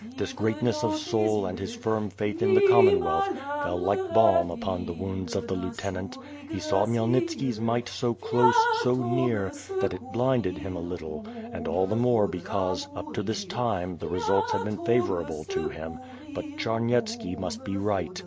This greatness of soul and his firm faith in the Common wealth, fell like balm upon the wounds of the lieutenant. He saw Khmyelnitski's might so close, so near, that it blinded him a little, and all the more because, up to this time the re sults had been favorable to him, but Charnyetski must be right.